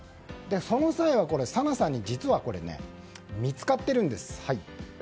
その際、紗菜さんに見つかっているんです。